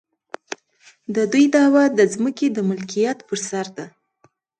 د دوی دعوه د ځمکې د ملکیت پر سر ده.